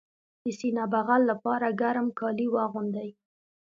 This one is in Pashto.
د سینه بغل لپاره ګرم کالي واغوندئ